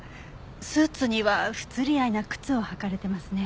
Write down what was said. スーツには不釣り合いな靴を履かれていますね。